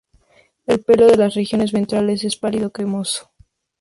El pelo de las regiones ventrales es pálido cremoso.